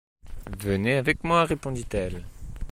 Venez avec moi, répondit-elle.